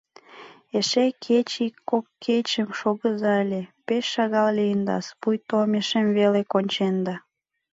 Эше кеч ик-кок кечым шогыза ыле, пеш шагал лийындас, пуйто омешем веле конченда.